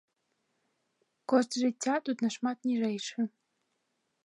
Кошт жыцця тут нашмат ніжэйшы.